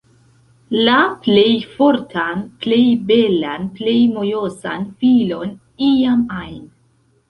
La plej fortan, plej belan, plej mojosan filon iam ajn